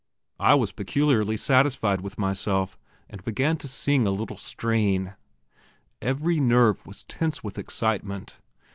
I was peculiarly satisfied with myself, and began to sing a little strain. Every nerve was tense with excitement.